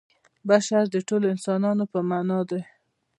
بشر د ټولو انسانانو په معنا دی.